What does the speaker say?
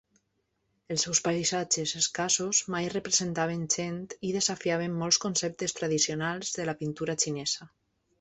Els seus paisatges escassos mai representaven gent i desafiaven molts conceptes tradicionals de la pintura xinesa.